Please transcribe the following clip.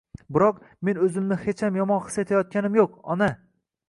Biroq, men o‘zimni hecham yomon his etayotganim yo‘q, ona.